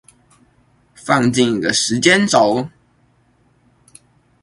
放進一個時間軸